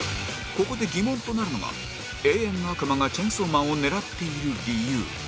ここで疑問となるのが永遠の悪魔がチェンソーマンを狙っている理由